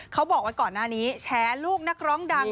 เขาบอกไว้ก่อนหน้านี้แชร์ลูกนักร้องดัง